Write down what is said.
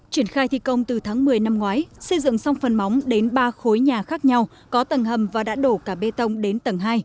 triển khai thi công từ tháng một mươi năm ngoái xây dựng xong phần móng đến ba khối nhà khác nhau có tầng hầm và đã đổ cả bê tông đến tầng hai